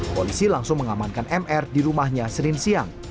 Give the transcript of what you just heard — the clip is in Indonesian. polisi langsung mengamankan mr di rumahnya senin siang